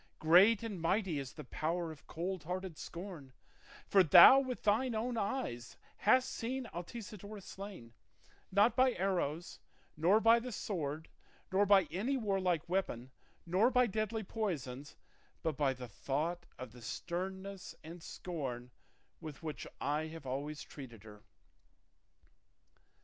Great and mighty is the power of cold hearted scorn, for thou with thine own eyes hast seen Altisidora slain, not by arrows, nor by the sword, nor by any warlike weapon, nor by deadly poisons, but by the thought of the sternness and scorn with which I have always treated her."